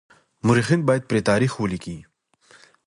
مورخين بايد بې پرې تاريخ وليکي.